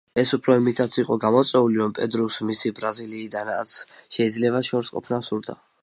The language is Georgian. ეს უფრო იმითაც იყო გამოწვეული, რომ პედრუს მისი ბრაზილიიდან რაც შეიძლება შორს ყოფნა სურდა.